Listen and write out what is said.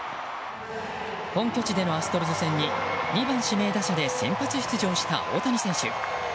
本拠地でのアストロズ戦に２番指名打者で先発出場した大谷選手。